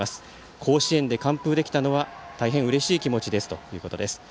甲子園で完封できたのは大変うれしい気持ちですということです。